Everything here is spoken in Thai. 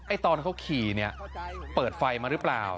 ไอ้ตอนเขาขี่เปิดไฟมาหรือเปล่า